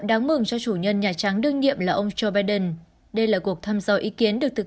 đáng mừng cho chủ nhân nhà trắng đương nhiệm là ông joe biden đây là cuộc thăm dò ý kiến được thực